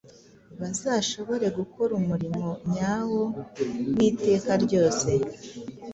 bazashobore gukora umurimo nyawo w’iteka ryose.